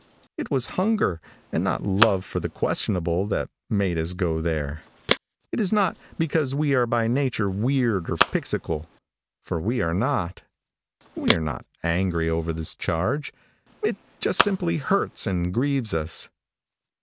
It was hunger, and not love for the questionable, that made us go there. It is not because we are by nature weird or pixycal, for we are not. We are not angry over this charge. It just simply hurts and grieves us.